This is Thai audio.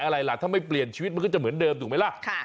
อะไรล่ะถ้าไม่เปลี่ยนชีวิตมันก็จะเหมือนเดิมถูกไหมล่ะ